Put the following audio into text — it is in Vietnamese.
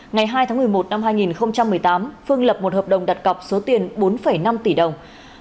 ngày hai tháng một mươi một năm hai nghìn một mươi tám phương lập một hợp đồng đặt cọc số tiền bốn năm tỷ đồng